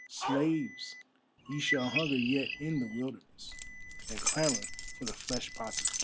"Slaves, ye shall hunger yet in the wilderness, and clamour for the flesh pots of Khem!"